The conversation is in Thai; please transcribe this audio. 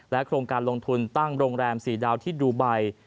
โครงการลงทุนตั้งโรงแรม๔ดาวที่ดูไบ